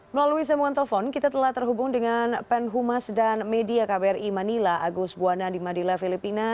melalui sambungan telepon kita telah terhubung dengan penhumas dan media kbri manila agus buwana di manila filipina